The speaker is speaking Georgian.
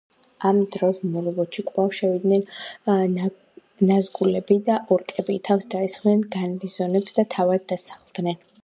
ამ დროს მორდორში კვლავ შევიდნენ ნაზგულები და ორკები, თავს დაესხნენ გარნიზონებს და თავად დასახლდნენ.